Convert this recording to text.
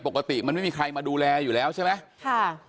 ปกติมันไม่มีใครมาดูแลอยู่แล้วใช่ไหมค่ะ